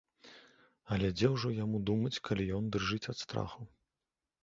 Але дзе ўжо яму думаць, калі ён дрыжыць ад страху.